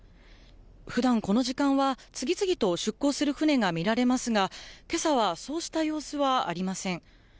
ふだん、この時間は、次々と出航する船が見られますが、けさはそうした様子はありません。